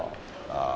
ああ。